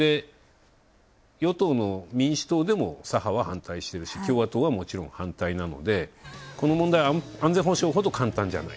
与党の民主党でも左派は反対しているし、もちろん民主党は反対なのでこの問題は安全保障ほど簡単ではない。